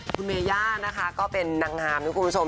คุณเมย่านะคะก็เป็นนางงามนะคุณผู้ชม